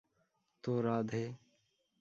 তো, রাধে।